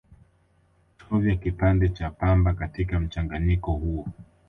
chovya kipande cha pamba katika mchanganyiko huo